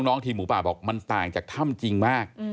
ทีมหมูป่าบอกมันต่างจากถ้ำจริงมาก